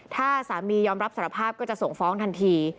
ถ้าสามียอมรับสารภาพก็จะส่งฟ้องทันที